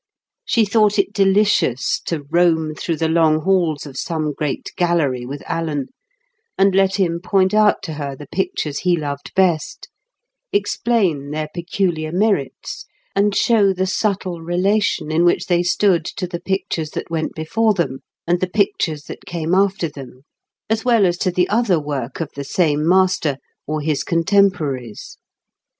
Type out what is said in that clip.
She thought it delicious to roam through the long halls of some great gallery with Alan, and let him point out to her the pictures he loved best, explain their peculiar merits, and show the subtle relation in which they stood to the pictures that went before them and the pictures that came after them, as well as to the other work of the same master or his contemporaries.